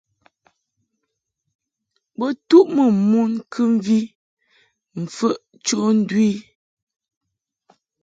Bo tuʼmɨ mon kɨmvi mfəʼ cho ndu i.